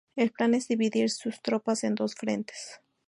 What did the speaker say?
El plan es dividir sus tropas en dos frentes.